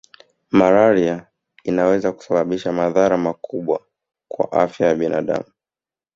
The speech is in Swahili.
Malaria inaweza kusababisha madhara makubwa kwa afya ya binadamu